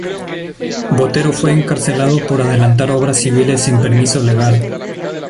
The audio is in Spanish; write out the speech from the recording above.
Botero fue encarcelado por adelantar obras civiles sin permiso legal.